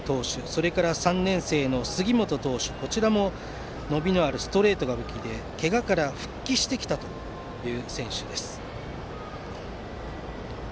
それから３年生の杉本投手も伸びのあるストレートが武器でけがから復帰してきたという選手です。